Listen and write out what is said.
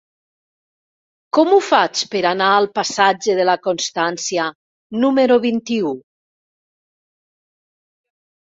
Com ho faig per anar al passatge de la Constància número vint-i-u?